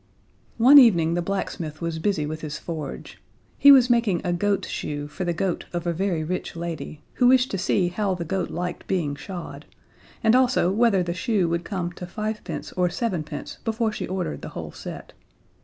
One evening the blacksmith was busy with his forge. He was making a goat shoe for the goat of a very rich lady, who wished to see how the goat liked being shod, and also whether the shoe would come to fivepence or sevenpence before she ordered the whole set.